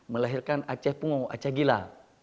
melahirkan aceh pungo aceh gila